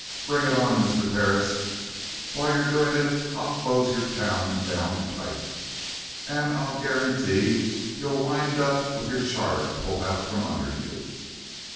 Bring it on, Mr. Parris. While you're doing it, I'll close your town down tight. And I'll guarantee you you'll wind up with your charter pulled out from under you!"